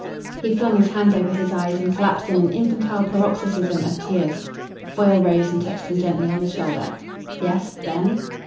He flung his hands over his eyes and collapsed in an infantile paroxysm of tears. Foyle rose and touched him gently on the shoulder. "Yes, then?"